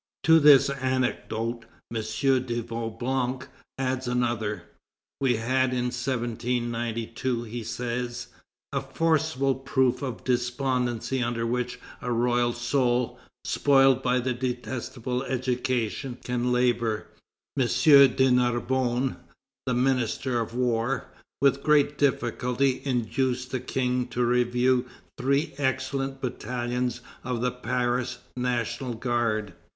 '" To this anecdote, M. de Vaublanc adds another. "We had in 1792," he says, "a forcible proof of the despondency under which a royal soul, spoiled by a detestable education, can labor. M. de Narbonne, the Minister of War, with great difficulty induced the King to review three excellent battalions of the Paris National Guard.